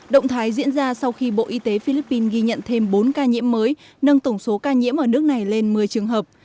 động thái diễn ra sau khi bộ y tế philippines ghi nhận thêm bốn ca nhiễm mới nâng tổng số ca nhiễm ở nước này lên một mươi trường hợp